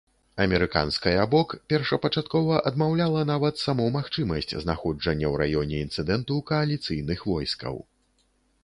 Амерыканская бок першапачаткова адмаўляла нават саму магчымасць знаходжання у раёне інцыдэнту кааліцыйных войскаў.